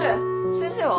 先生は？